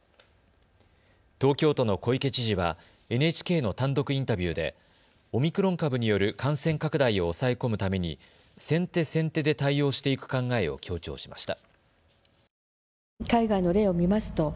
東京都の小池知事はＮＨＫの単独インタビューでオミクロン株による感染拡大を抑え込むために先手先手で対応していく考えを強調しました。